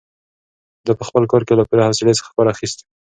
ده په خپل کار کې له پوره حوصلې څخه کار اخیست.